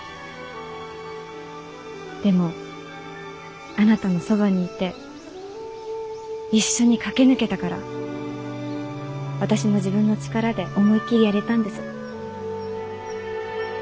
でもあなたのそばにいて一緒に駆け抜けたから私も自分の力で思いっきりやれたんです。